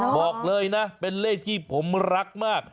บอกเลยนะเป็นเลขที่ผมรักมาก